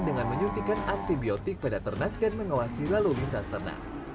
dengan menyuntikkan antibiotik pada ternak dan mengawasi lalu lintas ternak